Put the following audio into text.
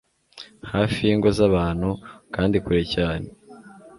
hafi y'ingo z'abantu, kandi kure cyane